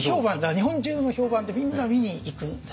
日本中の評判でみんな見に行くんです。